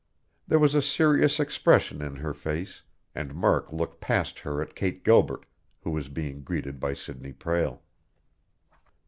There was a serious expression in her face, and Murk looked past her at Kate Gilbert, who was being greeted by Sidney Prale.